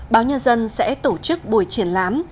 báo nhân dân sẽ tổ chức buổi triển lãm